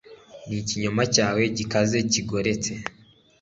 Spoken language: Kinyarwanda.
n'ikinyoma cyawe gikaze, kigoretse